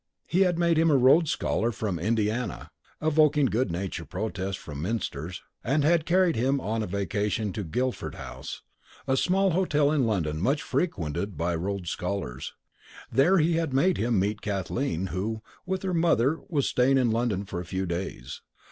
He had made him a Rhodes Scholar from Indiana (evoking good natured protest from Minters) and had carried him on a vacation to Guilford House, a small hotel in London much frequented by Rhodes Scholars. There he had made him meet Kathleen who, with her mother, was staying in London for a few days.